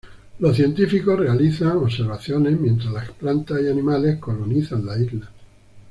Los científicos realizan observaciones mientras las plantas y animales colonizan la isla.